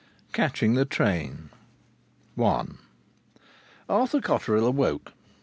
CATCHING THE TRAIN I Arthur Cotterill awoke.